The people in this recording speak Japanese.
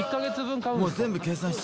もう全部計算して？